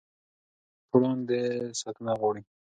سړي د لمر پر وړاندې ساتنه غواړي.